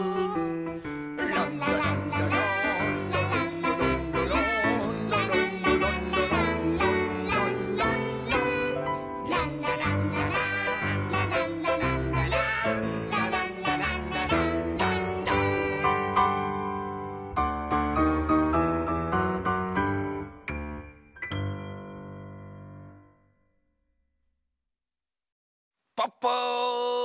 「ランラランラランラランラランラランラ」「ランラランラランランランランラン」「ランラランラランラランラランラランラ」「ランラランラランランラン」プップー！